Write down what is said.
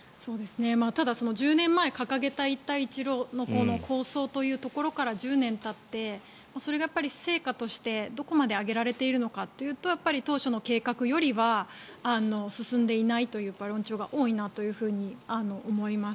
ただ、１０年前掲げた一帯一路の構想というところから１０年たってそれが成果としてどこまで挙げられているのかというと当初の計画よりは進んでいないという論調が多いなというふうに思います。